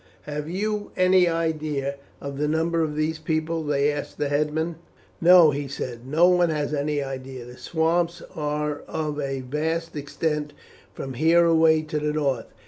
"Have you any idea of the number of these people?" they asked the headman. "No," he said, "no one has any idea; the swamps are of a vast extent from here away to the north.